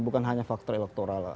bukan hanya faktor elektoral